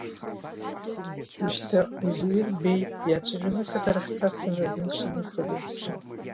Ушьҭа Узеир Беи диацәажәаны ақыҭарахь дцарц азы азин шимихра дазԥшын.